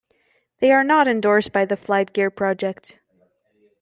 They are not endorsed by the "FlightGear" project.